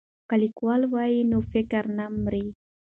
که لیکوال وي نو فکر نه مري.